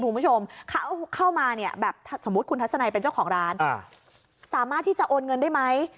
คุณผู้ชมเข้ามาเนี่ยแบบสมมุติคุณทัศนัยเป็นเจ้าของร้านสามารถที่จะโอนเงินได้ไหม